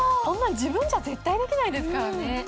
こんなん自分じゃ絶対できないですからね